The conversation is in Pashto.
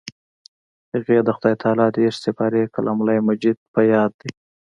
هغې د خدای تعالی دېرش سپارې کلام الله مجيد په ياد دی.